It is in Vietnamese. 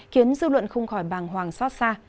khiến dư luận không khỏi bàng hoàng xót xa